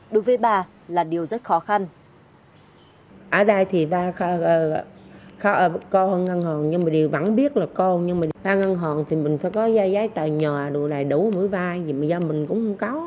đối với bà là điều rất khó khăn